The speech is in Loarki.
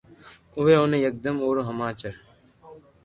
اووي اوني یڪدم اورو ھماچر